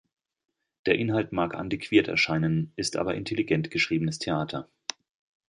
Der Inhalt mag antiquiert erscheinen, ist aber intelligent geschriebenes Theater.